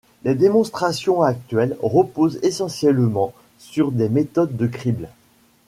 Les démonstrations actuelles reposent essentiellement sur des méthodes de crible.